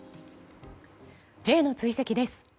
Ｊの追跡です。